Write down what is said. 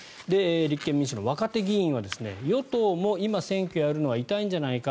立憲民主の若手議員は与党も今、選挙やるのは痛いんじゃないか？